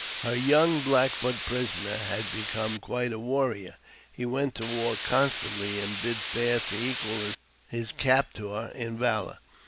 Her young Black Foot prisoner had become quite a warrior ; he went to war constantly, and bid fair to equal his captor in valour.